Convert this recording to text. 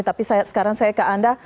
tapi sekarang saya ke anda